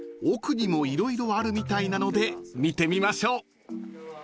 ［奥にも色々あるみたいなので見てみましょう］